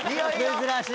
珍しい。